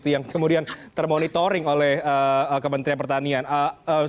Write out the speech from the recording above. yang kemudian termonitoring oleh kementerian pertahanan indonesia